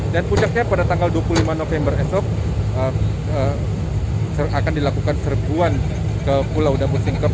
dan puncaknya pada tanggal dua puluh lima november esok akan dilakukan serbuan ke pulau dabu singkep